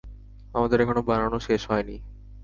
আমাদের এখনো বানানো শেষ হয়নি।